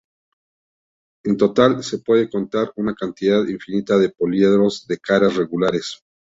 En total, se pueden contar una cantidad infinita de poliedros de caras regulares.